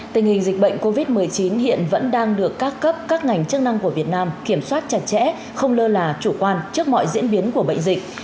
tình hình dịch bệnh covid một mươi chín hiện vẫn đang được các cấp các ngành chức năng của việt nam kiểm soát chặt chẽ không lơ là chủ quan trước mọi diễn biến của bệnh dịch